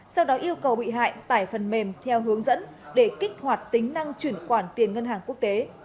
sau đó yêu cầu bị hại tải phần mềm theo hướng dẫn để kích hoạt tính năng chuyển khoản tiền ngân hàng quốc tế